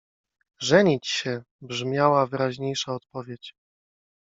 „Żenić się!” — brzmiała wyraźniejsza odpowiedź.